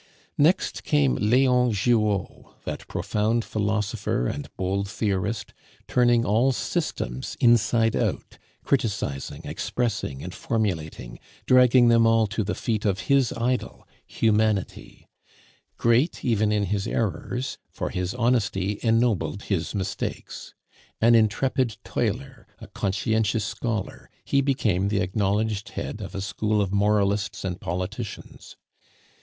Next came Leon Giraud, that profound philosopher and bold theorist, turning all systems inside out, criticising, expressing, and formulating, dragging them all to the feet of his idol Humanity; great even in his errors, for his honesty ennobled his mistakes. An intrepid toiler, a conscientious scholar, he became the acknowledged head of a school of moralists and politicians.